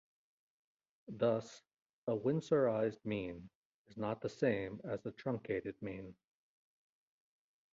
Thus a winsorized mean is not the same as a truncated mean.